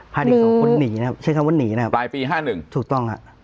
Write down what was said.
เด็กสองคนหนีนะครับใช้คำว่าหนีนะครับปลายปีห้าหนึ่งถูกต้องครับ